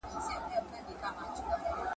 د هیلیو له کشپ سره دوستي سوه !.